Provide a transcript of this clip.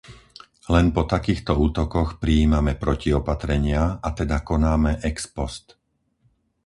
Len po takýchto útokoch prijímame protiopatrenia, a teda konáme ex post.